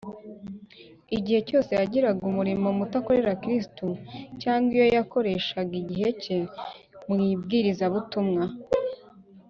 igihe cyose yagiraga umurimo muto akorera kristo, cyangwa iyo yakoreshaga igihe cye mu ibwirizabutumwa,